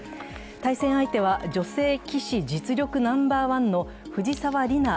対戦相手は女性棋士実力ナンバーワンの藤沢里菜